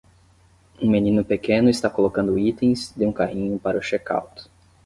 Um menino pequeno está colocando itens de um carrinho para o check-out.